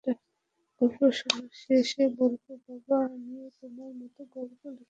গল্প শোনানোর শেষে বলল, বাবা, আমিও তোমার মতো গল্প লিখতে পারি।